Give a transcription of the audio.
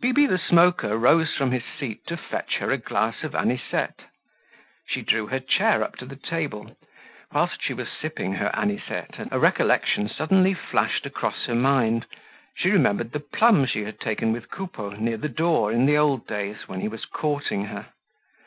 Bibi the Smoker rose from his seat to fetch her a glass of anisette. She drew her chair up to the table. Whilst she was sipping her anisette, a recollection suddenly flashed across her mind, she remembered the plum she had taken with Coupeau, near the door, in the old days, when he was courting her.